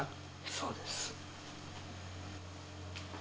そうです。